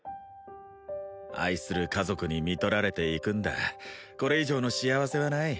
愛する家族にみとられていくんだこれ以上の幸せはない